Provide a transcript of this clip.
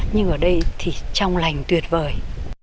nhưng ở đây thì trong lành tuyệt vời